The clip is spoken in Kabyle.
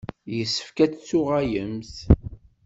Yessefk ad d-tuɣalemt.